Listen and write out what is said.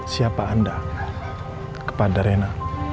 siapa anda kepada rena